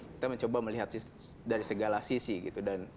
kita mencoba melihat dari segala sisi gitu